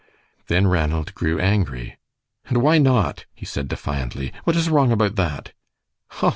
Then Ranald grew angry. "And why not?" he said, defiantly. "What is wrong about that?"